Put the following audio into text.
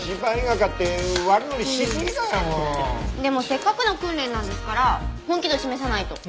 でもせっかくの訓練なんですから本気度示さないと。